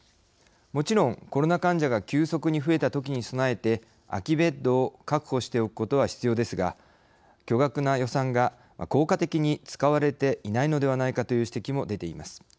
もちろんコロナ患者が急速に増えたときに備えて空きベッドを確保しておくことは必要ですが巨額な予算が効果的に使われていないのではないかという指摘も出ています。